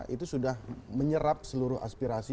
itu sudah menyerap seluruh aspirasi